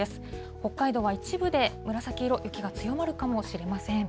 北海道は一部で紫色、雪が強まるかもしれません。